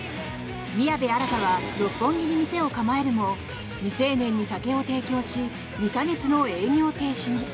宮部新は六本木に店を構えるも未成年に酒を提供し２か月の営業停止に。